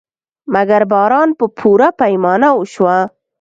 مګر باران په پوره پیمانه وشو.